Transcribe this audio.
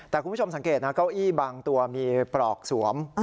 แต่คุณผู้ชมสังเกตนะเก้าอี้บางตัวมีปลอกสวม